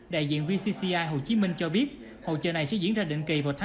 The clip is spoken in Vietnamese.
đại diện vcci hồ chí minh cho biết hỗ trợ này sẽ diễn ra định kỳ mỗi ngày